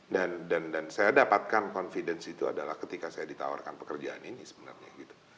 dan saya dapatkan confidence itu adalah ketika saya ditawarkan pekerjaan ini sebenarnya gitu